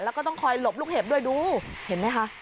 แล้วก็ต้องคอยหลบลูกเห็บด้วยดูเห็นไหมคะ